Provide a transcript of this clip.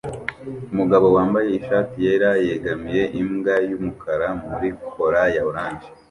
Umugabo wambaye ishati yera yegamiye imbwa yumukara muri cola ya orange